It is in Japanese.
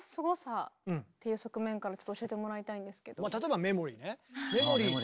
例えば「メモリー」ね。